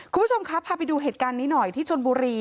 คุณผู้ชมครับพาไปดูเหตุการณ์นี้หน่อยที่ชนบุรี